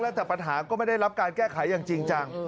แล้วแต่ปัญหาก็ไม่ได้รับการแก้ไขอย่างจริงจัง